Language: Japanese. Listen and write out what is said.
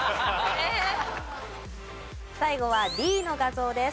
最後はＤの画像です。